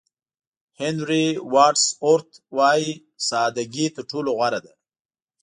هېنري واډز اورت وایي ساده ګي تر ټولو غوره ده.